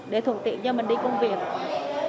để thuận tiện cho mình đi công việc